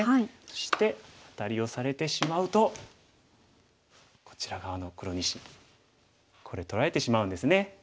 そしてアタリをされてしまうとこちら側の黒２子これ取られてしまうんですね。